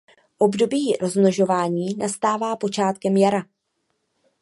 Období rozmnožování nastává počátkem jara.